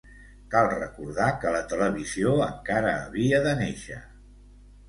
Cal recordar que la televisió encara havia de néixer.